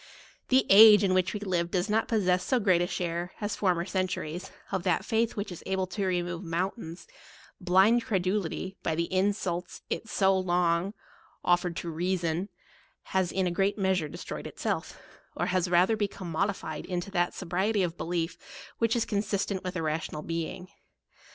The age in which we live does not possess so great a share, as former centuries, of that faith which is able to remove moun tains : blind credulity, by the insults it so long offered to reason, has in a great meas ure destroyed itself, or is rather become mod ified into that sobriety of belief which is con* 170 sistent with a rational being.